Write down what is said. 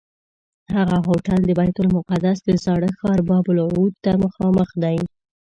هغه هوټل د بیت المقدس د زاړه ښار باب العمود ته مخامخ دی.